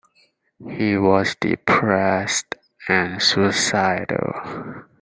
He was depressed and suicidal.